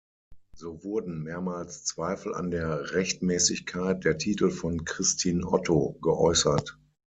So wurden mehrmals Zweifel an der Rechtmäßigkeit der Titel von Kristin Otto geäußert.